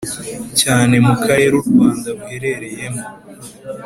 cyane mu karere u Rwanda ruherereyemo